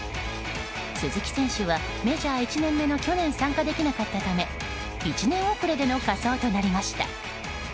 鈴木選手はメジャー１年目の去年参加できなかったため１年遅れでの仮装となりました。